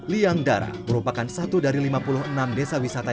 liangdara merupakan satu dari lima puluh enam desa wisata